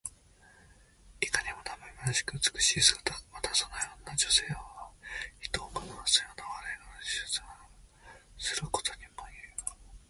いかにもなまめかしく美しい姿。また、そのような女性が人を惑わすような、笑いこびるしぐさをすることにもいう。